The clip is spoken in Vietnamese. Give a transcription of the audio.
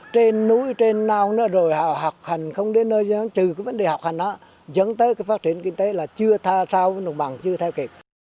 trên núi trên nao nó rồi họ học hành không đến nơi trừ cái vấn đề học hành đó dẫn tới cái phát triển kinh tế là chưa tha sao với đồng bào chưa theo kịp